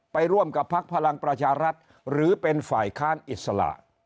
ไปร่วมกับพักพลังประชารัฐหรือเป็นฝ่ายค้านอิสระ